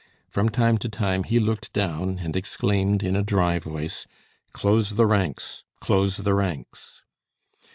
From time to time, he looked down, and exclaimed in a dry voice: "Close the ranks, close the ranks!"